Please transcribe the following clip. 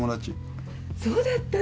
そうだったの！